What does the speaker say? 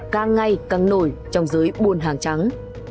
càng ngay càng nổi trong giới buôn hàng trắng